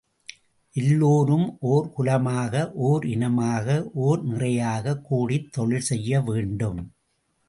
எல்லோரும் ஒர் குலமாக ஓரினமாக ஓர் நிறையாகக் கூடித் தொழில் செய்ய வேண்டும்.